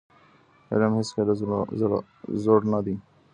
علم هيڅکله زوړ نه دی.